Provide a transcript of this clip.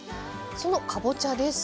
そのかぼちゃですが。